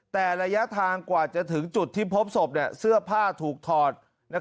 แต่ระยะทางกว่าจะถึงจุดที่พบศพเสื้อผ้าถูกถอด